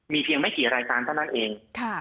เพียงไม่กี่รายการเท่านั้นเอง